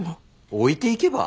置いていけば？